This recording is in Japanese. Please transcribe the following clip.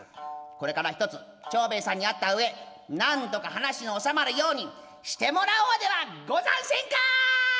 これからひとつ長兵衛さんに会ったうえなんとか話しの収まるようにしてもらおうではござんせんか！」。